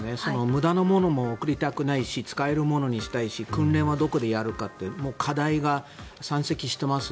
無駄なものも送りたくないし使えるものにしたいし訓練はどこでやるかって課題が山積してます。